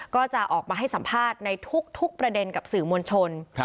ก็จะออกมาให้สัมภาษณ์ในทุกประเด็นกับสื่อมวลชน